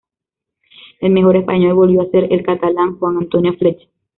El mejor español volvió a ser el catalán Juan Antonio Flecha.